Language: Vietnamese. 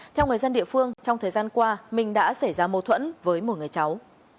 theo người dân địa phương trong thời gian qua mình đã xảy ra mâu thuẫn với một người cháu